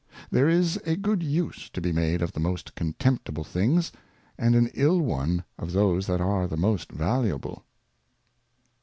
There is a good Use to be made of the most contemptible Things, and an ill one of those that are the most valuable.